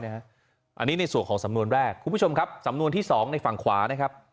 อันนี้ในส่วนของสำนวนแรกคุณผู้ชมครับสำนวนที่๒ในฝั่งขวานะครับ